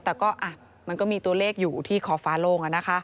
แต่ก็มันก็มีตัวเลขอยู่ที่ขอบฟ้าโล่ง